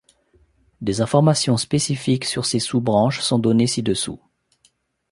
Des informations spécifiques sur ces sous-branches sont données ci-dessous.